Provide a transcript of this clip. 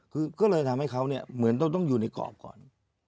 คือก็เลยทำให้เขาเนี่ยเหมือนต้องอยู่ในกรอบก่อน